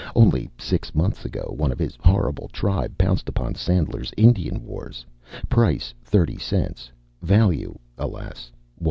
Only six months ago one of his horrible tribe pounced upon Sander's "Indian Wars," price 30 cents; value, alas, $150.